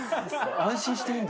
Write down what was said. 安心していいんだ。